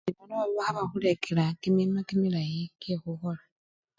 Indi nono aba khebakhulekela kimima kimilayi kyekhukhola.